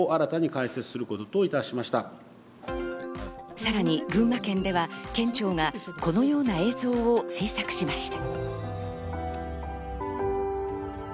さらに群馬県では県庁がこのような映像を制作しました。